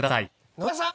野田さん